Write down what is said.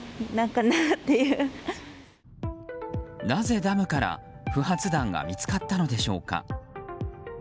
なぜダムから不発弾が見つかったのでしょうか。